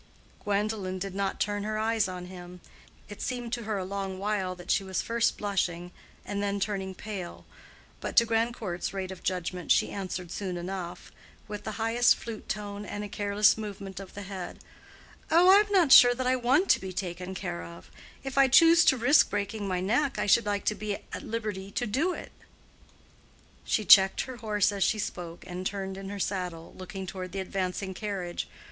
Gwendolen did not turn her eyes on him; it seemed to her a long while that she was first blushing, and then turning pale, but to Grandcourt's rate of judgment she answered soon enough, with the lightest flute tone and a careless movement of the head, "Oh, I am not sure that I want to be taken care of: if I chose to risk breaking my neck, I should like to be at liberty to do it." She checked her horse as she spoke, and turned in her saddle, looking toward the advancing carriage.